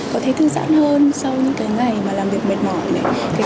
có thể thư giãn hơn sau những ngày làm việc mệt mỏi